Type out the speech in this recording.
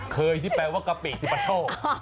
เคยที่แปลว่ากะปิดิปะโต้